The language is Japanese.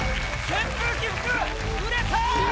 扇風機服、売れた！